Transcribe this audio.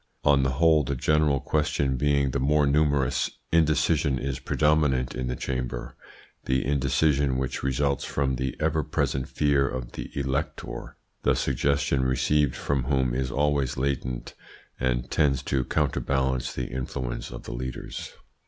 On the whole, the general questions being the more numerous, indecision is predominant in the Chamber the indecision which results from the ever present fear of the elector, the suggestion received from whom is always latent, and tends to counterbalance the influence of the leaders.